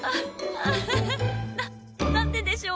ハハハななんででしょう？